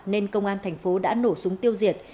nên công an thành phố đã nổ súng tiêu diệt